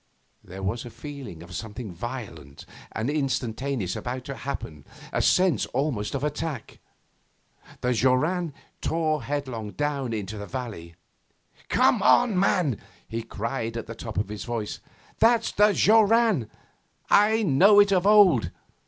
There was a feeling of something violent and instantaneous about to happen, a sense almost of attack. The joran tore headlong down into the valley. 'Come on, man,' he cried at the top of his voice. 'That's the joran! I know it of old!